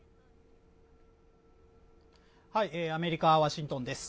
アメリカワシントンです